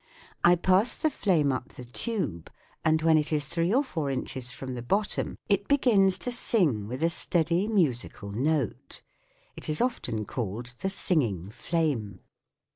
I pass the flame up the tube, and when it is three or four inches from the bottom it begins to sing with a steady musical note. It is often called the singing flame.